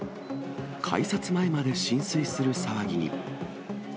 改札前まで浸水する騒ぎに。